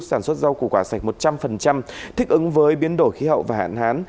sản xuất rau củ quả sạch một trăm linh thích ứng với biến đổi khí hậu và hạn hán